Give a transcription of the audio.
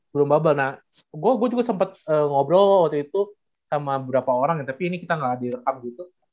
belum bubble nah gue juga sempet ngobrol waktu itu sama beberapa orang ya tapi ini kita gak direkam gitu